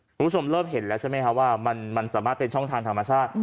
คุณผู้ชมเริ่มเห็นแล้วใช่ไหมครับว่ามันสามารถเป็นช่องทางธรรมชาติ